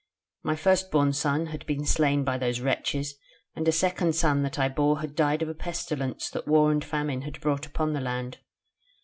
My first born had been slain by those wretches, and a second son that I bore had died of a pestilence that war and famine had brought upon the land.